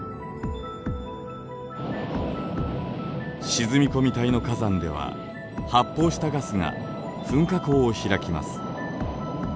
沈み込み帯の火山では発泡したガスが噴火口を開きます。